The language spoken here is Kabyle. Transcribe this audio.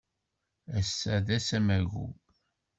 Ass-a d ass amagu.